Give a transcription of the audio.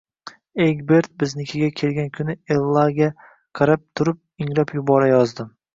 Egbert biznikiga kelgan kuni Ellaga qarab turib, ingrab yuborayozdim